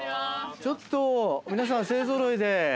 ちょっと皆さん勢ぞろいで。